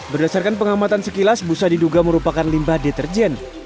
berdasarkan pengamatan sekilas busa diduga merupakan limbah deterjen